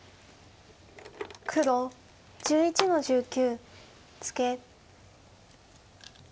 黒１１の十九ツケ。